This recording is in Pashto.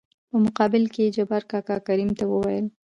په مقابل کې يې جبار کاکا کريم ته وويل :